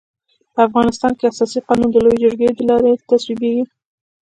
په افغانستان کي اساسي قانون د لويي جرګي د لاري تصويبيږي.